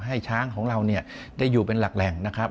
ให้ช้างของเราเนี่ยได้อยู่เป็นหลักแหล่งนะครับ